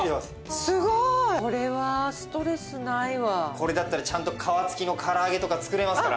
これだったらちゃんと皮付きの唐揚げとか作れますから。